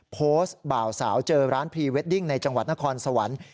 บ่าวสาวเจอร้านพรีเวดดิ้งในจังหวัดนครสวรรค์